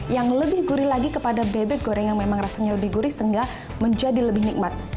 yang lebih gurih lagi kepada bebek goreng yang memang rasanya lebih gurih sehingga menjadi lebih nikmat